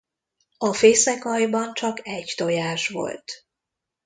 A fészekaljban csak egy tojás volt.